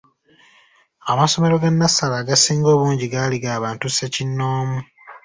Amasomero ga nnassale agasinga obungi gaali g’abantu ssekinnoomu.